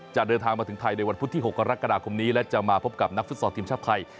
จะเดินทางมาถึงไทยในวันพุธที่๖กรกฎาคมนี้และจะมาพบกับนักฟุตซอลทีมชาติไทย